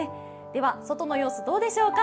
では、外の様子どうでしょうか。